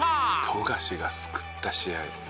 「“富樫が救った試合”」